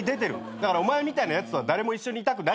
だからお前みたいなやつとは誰も一緒にいたくない。